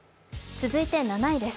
続いて７位です。